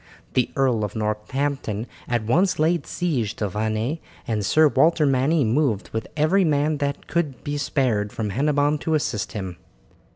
The Earl of Northampton at once laid siege to Vannes, and Sir Walter Manny moved with every man that could be spared from Hennebon to assist him.